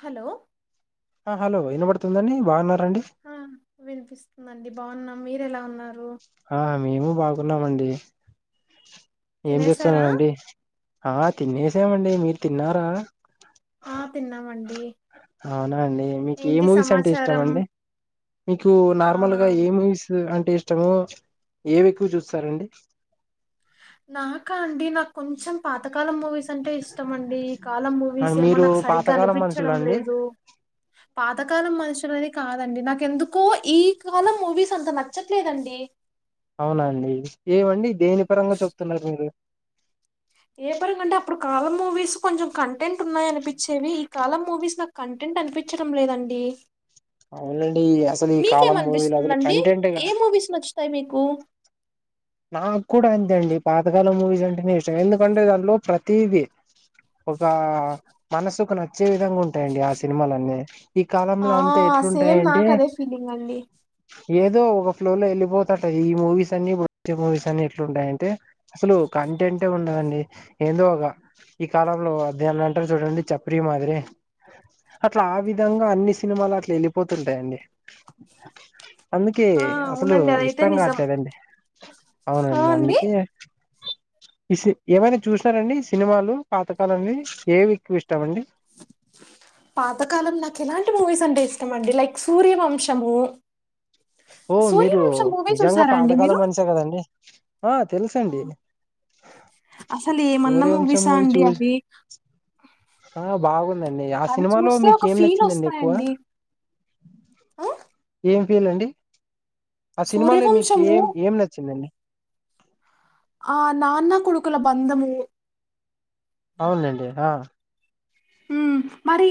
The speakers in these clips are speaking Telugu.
హలో ఆ హలో ఇనబడుతుందా అండి బాన్నా ఆ వినిపిస్తుందండి బాగున్నాం మీరు ఎలా ఉన్నారు న్నా మండి ఏం తినేసారా జేస్తున్నారండి ఆ తినేసామండి మీరు తిన్నారా ఆ తిన్నామండి. అవునా అండి మీకు ఏ ఏంటి మూవీస్ అంటే ఇష్టం సమాచారం అండి మీకు ఆ నార్మల్ గా ఏ మూవీస్ అం టేష్టమో ఏవి ఎక్కువ చూస్తారండి నాకా అండి నా కొంచం పాత కాలం మూవీస్ అంటే ఇష్టం అండి ఈ కాలం మూవీస్ అండ్ ఏమో మీరు నాకు సరిగ్గా పాతకాలం మనుషులా అనిపిచ్చడం అండి లేదు పాతకాలం మనుషులది కాదండి నాకెందుకో ఈ కాలం మూవీస్ అంత నచ్చట్లేదండి అవునా అండి ఏమండి దేని పరంగా చెప్తున్నారు మీరు ఏ పరంగా అంటే అప్పుడు కాలం మూవీస్ కొంచెం కంటెంట్ ఉన్నాయ అనిపించేవి ఈ కాలం మూవీస్ నాకు కంటెంట్ అనిపించడం లేదండి అవునండి అసలు ఈ కాలం మూవీలు అసలు కంటెంటే తయ్ మీకు నాక్కూడా అంతే అండి పాత గాలం మూవీస్ అంటేనే ఇష్టం ఎందుకంటే దానిలో ప్రతిదీ ఒక మనసుకు నచ్చే విధంగా ఉంటాయండి ఆ సినిమాలన్నీ ఈ ఆ కాలంలా అంతే సేమ్ ఎట్లుంటాయంటే నాకు అదే ఫీలింగ్ అండి ఏ దో ఒక ఫ్లో లో వెళ్ళిపోతంటాయ్ ఈ మూవీస్ అన్ని ఇప్పుడు మూవీస్ అన్ని ఎట్లా ఉంటాయంటే అసలు కంటెంటే ఉండదండి ఏందో ఒక ఈ కాలంలో దాన్ని అంటారు చూడండి చప్పరి మాదిరి అట్లా ఆ విధంగా అన్ని సినిమాలు అట్లా వెళ్ళిపోతుంటాయండి అందుకే ఆ అసలు అవునండి అదైతే ఇష్టం నిజం కావట్లేదండి ఆ అవునండి అండి అందుకే ఏమైనా చూసినారండి సినిమాలు పాతకాలంవి ఏవి ఎక్కువ ఇష్టామ అండి పాతకాలం నాకు ఎలాంటి మూవీస్ అంటే ఇష్టం అండి లైక్ సూర్యవంశము ఓ మీరు సూర్యవంశం మూవీ నిజంగా చూసారా అండి మీరు పాతకాలం మనిషే కదండి ఆ తెలుసు ఆ, అండి అసలు ఏమన్నా సూర్య వంశం మూవీసా మూవీ అండి చూసి అవి ఆహ్ బాగుందండి ఆ అవి సినిమాలో చూస్తే మీకు ఏం నచ్చిందండి ఎక్కువ ఆహ్ ఏం ఫీల్ అండి ఆ సినిమాలో మీకు సూర్యవంశము ఏం ఏం నచ్చిందండి ఆ నాన్న కొడుకుల బంధము అవునండి ఆహ్ ఉమ్ మరి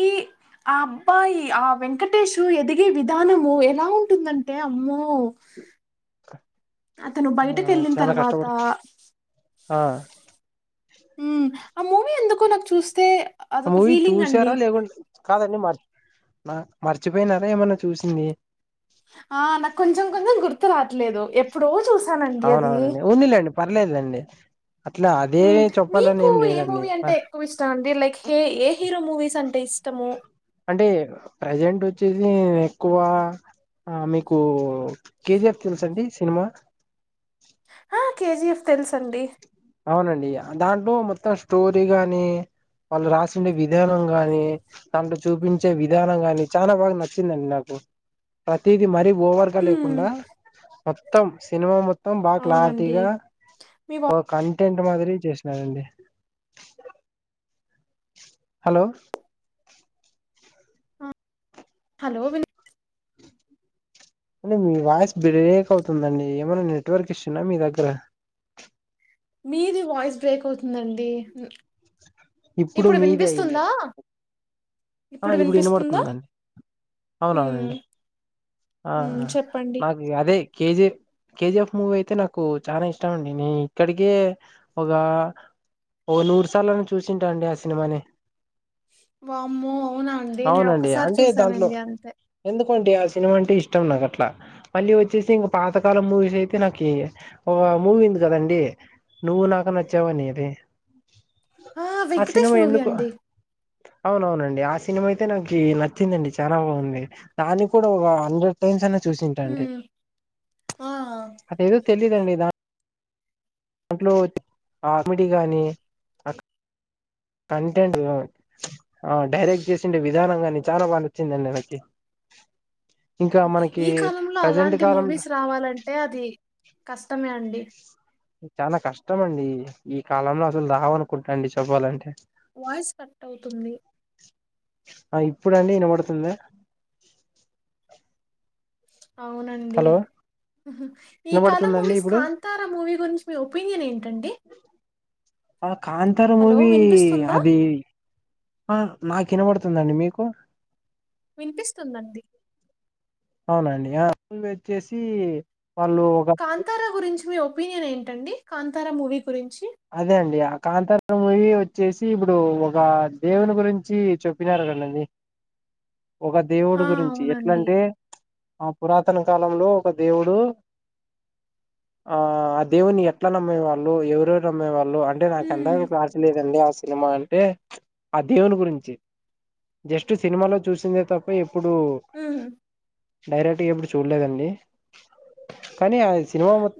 ఆ అబ్బాయి ఆ వెంకటేష్ ఎదిగే విధానము ఎలా ఉంటుందంటే అమ్మో అతను ఆ బయటకు వెళ్ళిన చాలా తర్వాత కష్టపడు ఆ ఉమ్ ఆ మూవీ ఎందుకో నాకు చూస్తే ఆ అదొక మూవీ ఫీలింగ్ అండి. చూసారా లేకుంటే కాదండీ మర్చ నా మర్చిపోయినారా ఏమన్నా చూసింది. ఆహ్ నాకు కొంచం కొంచం గుర్తు రా లేదు ఎప్పుడో చూస్ అవునవునండి ఉందిలేండి పర్లేదులేండి అట్లా అదే హ్మ్. చెప్పాలని మీకు ఏం ఏ లేదండి మూవీ అంటే ఆ ఎక్కువ ఇష్టం అండి? లైక్ హే ఏ హీరో మూవీస్ అంటే ఇష్టము అంటే ప్రజెంట్ వచ్చేది ఎక్కువ మీకు కేజీఆఫ్ తెలుసండి సినిమా ఆ! కేజీఎఫ్ తెలుసండి అవునండి దాంట్లో మొత్తం స్టోరీ గాని వాళ్ళు రాసండే విధానం గాని దాంట్లో చూపించే విధానం గాని చాలా బాగా నచ్చిందండి నాకు ప్రతిది మరి ఓవర్గా హ్మ్. లేకుండా మొత్తం సినిమా మొత్తం బా అవునండి. క్లాతిగా మీ వా ఇంటింటి మాదిరి చేసినారంండి హలో ఆ! హలో విన్ అంటే మీ వాయిస్ బ్రేక్ అవుతుందండి ఏమైన్నా నెట్వర్క్ ఇస్తుిన మీ దగ్గర మీది వాయిస్ బ్రేక్ అవుతుందండి ఇప్పుడు మీదే అయిందండి ఆ ఇప్పుడు వినబడుతుందండి హ్మ్. అవునవునండి ఆ హ్మ్. చెప్పండి. నాకు అదే కి జి కేజీఎఫ్ మూవీ అయితే నాకు చాలా ఇష్టం అండి నే ఇక్కడికే ఒక ఓ నూరు సార్ను చూసింటా అండి ఆ సినిమాని వామ్ అవునండి అంటే దాంట్లో చూసానండి అంతే. ఎందుకండి ఆ సినిమా అంటే ఇష్టం నాకు అట్లా మళ్ళీ ఒచ్చేసి ఇంగ పాతకాలం మూవీస్ అయితే నాకి ఒగ మూవీ ఉంది కదండి నువ్వు నాకు నచ్చావని ఇది ఆ 'వెంకటేష్' సినిమా మూవీ ఎందుకు అండి. అవునవునం యాస్ సినిమా అయితే నాకి నచ్చిందండి చానా బాగుంది దానికి కూడా ఒక హండ్రెడ్ టైమ్స్ అన్న చూసింటా అండి హ్మ్. ఆ అదెదో తెలిదండి దా దాంట్లో ఆర్మిడి గాని అ కంటెంట్ అ డైరెక్ట్ చేసిండ విధానం కాగాని చాలా బాగా నచ్చిందండి నాకి ఇంకా మనకి ఈ కాలంలో ప్రజెంట్ అలాంటి కాలం మూవీస్ రావాలంటే అది కష్టమే అం డి చాలా కష్టమండి ఈ కాలంలో అసలు రావనుకుంటా అండి చెప్పాలంటే వాయిస్ కట్ అవుతుంది ఆ ఇప్పుడండి ఇనబడుతుంద అవునండి ఉహ్ ఈ కాలం వినబడుతుందండి మూవీస్ ఇప్పుడు కాంతారా మూవీ గురించి మీ ఒపీనియన్ ఏంటండి? ఆ కాంతార హలో మూవీ వినిపిస్తుందా. నాకినబడుతుందండి మీకు వినిపిస్తుందండి అవునండి ఆ పూల్వ వెచ్చేసి కాంతారా గురించి మీ ఓపి ఒపీనియన్ ఏంటండి కాంతారా మూవీ గురించి అదే అండి ఆ కాంతారా మూవీ ఒచ్చేసి ఇప్పుడు ఒక దేవుని గురించి చెప్పినారు కదండి ఒక దేవుడు ఆ గురించి అవునండి ఎట్లంటే ఆ పురాతన కాలంలో ఒక దేవుడు ఆ ఆ దేవుని ఎట్లా నమ్మే వాళ్ళు ఎవరెవరు నమ్మెవాళ్ లు అంటే నాకు ఉమ్, ఇందాక క్లాస్ లేదండి ఆస్ సినిమా అంటే ఆ దేవుని గురించి జస్ట్ సినిమాలో చూసిందే తప్ప ఎప్ ప్పుడు ఉమ్. డైరెక్ట్ గా ఎప్పుడు చూలేదండి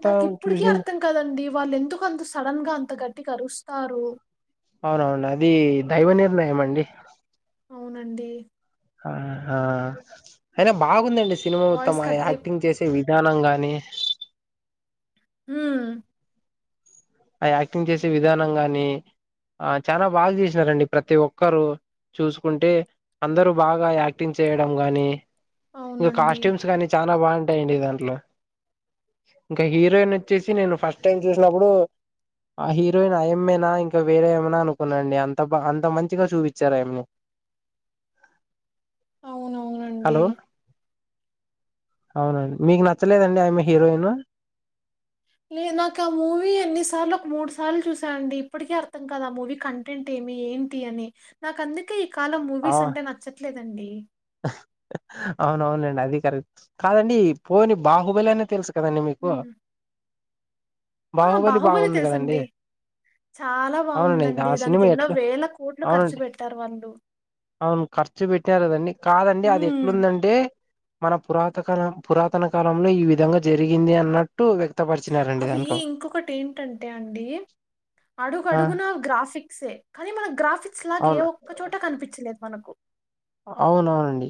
నాకు ఇప్పటికీ అర్థం కాదండి వాళ్ళు ఎందుకు అంత స్ సడన్ గా అంత గట్టిగ అరుస్తారు అవునవును అది దైవ నిర్ణయం అండి అవునండి. ఆహ అయినా బాగుందండి సినిమా మొత్తం వాయిస్ ఆ కట్ అయిపో యాక్టింగ్ చేసే వి ధ్యానం గానీ ఊమ్ ఆ యాక్టింగ్ చేసే విధానం గాని ఆ చానా బాగా చేసినారండి ప్రతి ఒక్కరు చూసుకుంటే అందరూ బాగా యాక్టింగ్ చేయడం గాని ఇగ అవునండి కాస్ట్యూమ్స్ గానీ చానా నా బాంటాయండి దాంట్లో ఇంకా హీరోయిన్ వచ్చేసి నేను ఫస్ట్ టైం చూసినప్పుడు ఆ హీరోయిన్ అయమ్మేనా ఇంకా వేరే ఏమనా అనుకున్నాండి అంత బ అంత మంచిగా చూపించారు అయమ్మని. అవునవునండి. హలో అవునండి మీకు నచ్చలేదండి ఆయమ్మీ హీరోయిను నే నాకు ఆ మూవీ ఎన్నిసార్లు ఒక మూడుసార్లు చూసా అండి, ఇప్పటికీ అర్థం కాదా ఆ మూవీ కంటెంట్ ఏమి ఏంటి అని నాకు అందుకే కాలం మూవీస్ అంటే నచ్చట్లేదండి. అవునఅవున్లేండి అది కరెక్ట్ కాదండి పోని బాహుబలి అన్న తెలుస కదండి మీకు హ్మ్. ఆ బాహుబలి బాహుబలే బాగుంది కదండి తెలుసండి చాలా అవునండి ఇది ఆ బాగుందండి దానికి సినిమా ఎన్నో ఎట్లా వేల కోట్లు ఖర్చు అవునండి పెట్టారు వాళ్ళు అవును ఖర్చు పెట్టినారు కదండి కాదండి అది హ్మ్. ఎట్లుందంటే మన పురాత కాల పురాతన కాలంలో ఈ విధంగా జరిగింది అన్న అవి ఇంకొకటి ఏంటంటే అండి అడుగు ఆ అడుగున గ్రాఫిక్సే కానీ మన ఫిక్స్ లాగ ఏ అవును ఒక్కచోట కనిపిచ్చలేద్ మనకు అవునవునండి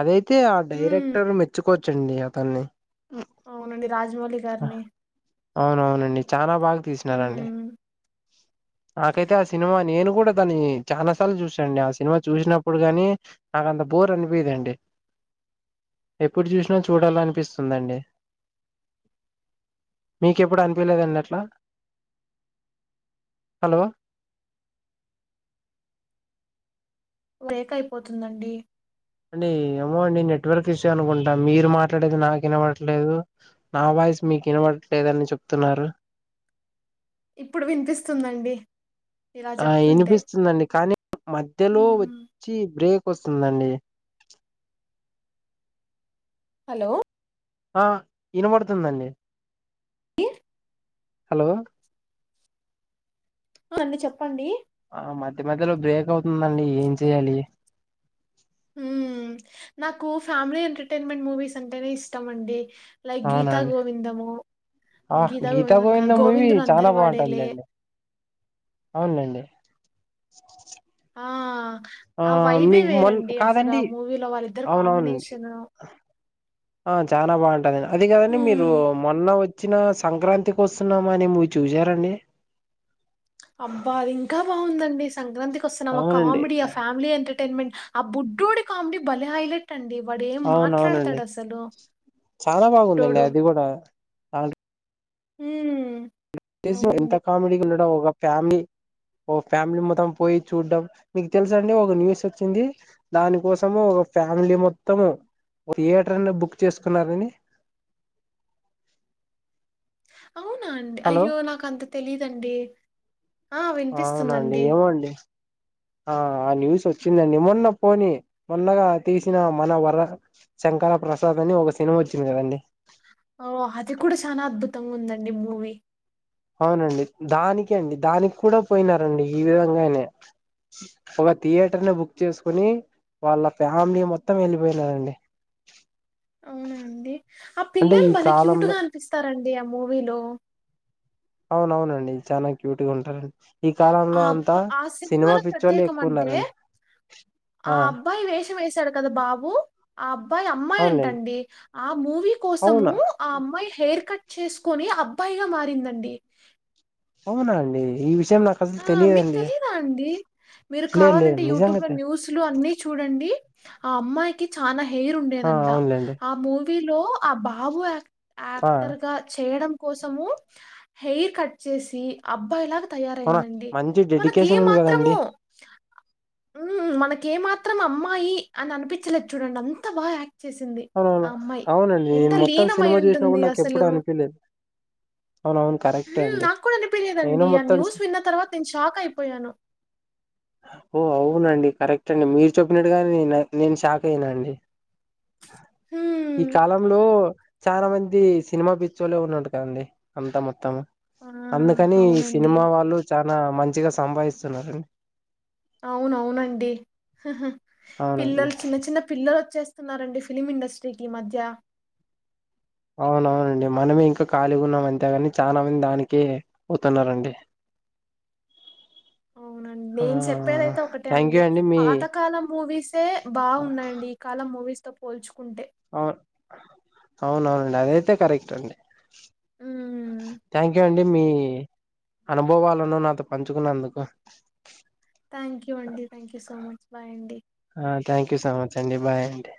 అదై తే ఆ హ్మ్. డైరెక్టర్ మెచ్చుకో చ్చండి అతన్ని. అవునండి. రాజమౌళి గారిని. అవునవునండి చానా బాగా తీసినారండి. హ్మ్. నాకైతే ఆ సినిమా నేను కూడా దాని చాలా సార్లు చూసాండి ఆ సినిమా చూసినప్పుడు గాని నాకంత బోర్ అనిపీదండి ఎప్పుడు చూసినా చూడాల అనిపిస్తుందండి, మీకెప్పుడు అనిపియ లేదండి అట్లా హలో వేక్ అయిపోతుందండి. అండి ఏమో అండి నెట్వర్క్ ఇష్యూ అనుకుంటా మీరు మాట్లాడేది నాకు వినవట్లేదు నా వాయిస్ మీకు వినవట్లేదని చెప్తున్నారు ఇప్పుడు వినిపిస్తుందండి ఇలా ఆ చెప్తుంటే వినిపిస్తుందండి కానీ మధ్యలో మ్మ్ వచ్చి బ్రేక్ కొస్తుందండి హలో ఆ ఇన బడుతుందండి ఏ హలో ఆ అండి చెప్పండి ఆ మధ్య మధ్యలో బ్రేక్ అవుతుందండి ఏం చెయ్యాలి? హ్మ్ నాకు ఫ్యామిలీ ఎంటర్టైన్మెంట్ మూవీస్ అంటేనే ఇష్టం అండి. లైక్ గీతా అవునండి గోవిందము ఆ గీతా గోవిందం గోవింద కాదు మూవీ గోవిందుడు చాలా అందరి వాడేలే బాగుంటుందండి అవునండి ఆ ఆ వైబే మీకు మొన్ వేరండి అసలు ఆ కాదండి మూవీలో వాళ్ళిద్దరు అవునవునండి కాంబినేషను చానా బావుంటదిగా అది కాదండి మీరు మొన్న వచ్ వచ్చిన సంక్రాంతికి వస్తున్నాం అనే మూవీ చూసారండి అబ్బా అది ఇంకా బాగుందండి సంక్రాంతికి వస్తున్న అవునండి కామెడి ఆ ఫ్యామిలీ ఎంటర్ న్మెట్ ఆ బుడ్డోడి కామెడీ భలే హైలెట్ అవునవునండి చాలా బాగుందండి అది గుడా ఆ హుమ్ వెంకటేష్ ఎంత కామెడీగ ఉన్న ఒక ఫ్యామిలీ ఓ ఫ్యామిలీ మొత్తం పోయి చూడ్డం మీకు తెలుస అండి ఒక న్యూస్ వచ్చింది దాని కోసము ఒక ఫ్యామిలీ మొత్తం ఒక థియేటర్ నే బుక్ చేసుకున్నరని అవునా అండి అయ్యో నాకు అంత తెలీదండి ఆ అవునండి వినిపిస్తుందండి ఏమో అండి ఆ ఆ న్యూస్ వచ్చిందండి మొన్న పోని మొన్నగా తీసిన మన వర శంకరపసాద్ అని ఒక సినిమా వచ్చింది కదండి ఓ అది కూడా చానా అద్భుతంగా ఉందండి మూవీ అవునండి దానికి అండి దానికి కూడా పోయినారండి ఈ విధంగానే ఒక థియేటర్ ని బుక్ చేసుకుని వాళ్ళ ఫ్యామిలీ మొత్తం ఎళ్ళిపోయినారండి అవునా అండి ఆ పిల్లల్ ఈ బలే క్యూట్ కాలంలో గా అనిపిస్తారండి డి ఆ మూవీలో అవునవునండి చాలా క్యూట్ గా ఉంటారండి ఈ ఆ కాలంలో అబ్బ అంతా ఆ సినిమా సినిమాలో పిచ్చోలు ఎక్కువ ప్రత్యేకమంటే, ఉన్నారండి ఆ అబ్బాయి వేషం వేశాడు కదా బాబు ఆ అబ్బాయి అమ్మాయి అవునులేండి అంటండి మూవీ కోసము అవునా ఆ అమ్మాయి హెయిర్ కట్ చేసుకొని అబ్బాయిగా మారిందండి అవునా అండి ఈ విషయం నాకు అసలు ఆ మీక్ తెలియదండి తెలిదా అండి మీరు లేదు లేదు కావాలంటే నిజంగా యూట్యూబ్ లో తె న్యూస్లు అన్నీ చూడండి ఆ అమ్మాయి చాన హెయిర్ ఆ ఉండేదంట అవునులేండి ఆ మూ లో ఆ బాబు యాక్టింగ్ ఆ యాక్టర్ గా చేయడం కోసము హెయిర్ కట్ చేసి అబ్బాయి లాగా అవునా అవునండీ మంచి మనకు ఏ డెడికేషన్ ఉంది మాత్రము కదండి హుమ్ ఏ మాత్రం అమ్మాయి అని అనిపించలేదు చూడండి అంత బాగ్ యాక్ట్ చేసింది ఆ అవుననా అమ్మాయి అవునండి ఎంత నేను మొత్తం లీనమై సినిమా చూసినా ఉంటుంది కూడా నాకు అసలు ఎప్పుడు అనిపలేదు. నాకు కూడా అనిపిలేదండి ఆ మొత్తం న్యూస్ విన్న తర్వాత నేను షాక్ అయిపోయాను. ఓ అవునండి కరెక్ట్ అండి మీరు చెప్పినట్టుగాని నేను షాక్ అయనాండి ఈ మ్మ్. కాలంలో చాలా మంది సినిమా పిచ్చోలే ఉన్నట్టు కదండీ అంతా మొత్తము ఆ అందుకని ఈ అవునండి. సినిమా వాళ్ళు చ లా మంచిగా సంభాయిస్తున్నారం అవునవునండి అవునండి పిల్లలు చిన్న చిన్న పిల్లలు వచ్చేస్త స్తున్నారండి ఫిలిమ్ ఇండస్ట్రీకి ఈ మధ్య అవునవునండి మనమే ఇంకా ఖాళీగా ఉన్నాం అంతేగాని చాలా మంది దానినికి పోతున్నరండి అవునండి నేను చెప్పేదైతే ఒకటే థ్యాంక్ యూ అండి మీ పాతకాలం మూవీసే బాగున్నాయండి ఈ కాలం మూవీస్ తో పోల్చుకుంటే అవ్ అవునవునండి అదైతే కరెక్ట్ అండి హ్మ్. థ్యాంక్ యూ అ మీ అనుభవాలను నాతో పంచుకున్నందుకు థ్యాంక్ యు అండి thank you so much bye అండి ఆ థ్యాంక్ యూ సో మచ్ అండి బాయ్ అండి